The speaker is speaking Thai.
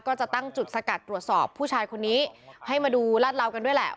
ก็จะตั้งจุดสกัดตรวจสอบผู้ชายคนนี้ให้มาดูลาดเหลากันด้วยแหละ